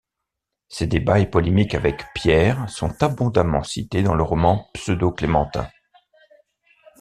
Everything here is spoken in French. Ses débats et polémiques avec Pierre sont abondamment cités dans le roman pseudo-clémentin.